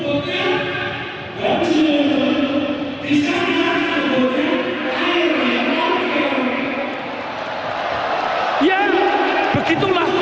di sini buku buku yang berbunyi bisa dilihat di buku buku yang lainnya